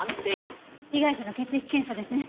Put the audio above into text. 被害者の血液検査ですね。